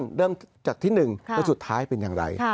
ว่าเหตุการณ์ตั้งแต่ต้นเริ่มจากที่หนึ่งแล้วสุดท้ายเป็นอย่างไร